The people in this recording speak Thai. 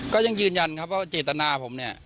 ก็ยังยืนยันครับว่าเจตนาผมเนี่ย